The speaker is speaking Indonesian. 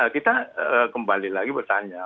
kita kembali lagi bertanya